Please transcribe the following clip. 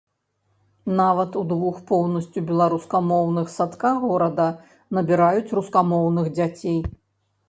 Нават у двух поўнасцю беларускамоўных садках горада набіраюць рускамоўных дзяцей.